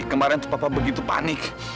kemaren tuh papa begitu panik